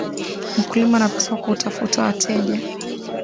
Mkulima anapaswa kutafuta wateja